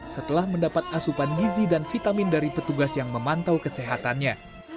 setelah mendapat asupan gizi dan vitamin dari petugas yang memantau kesehatannya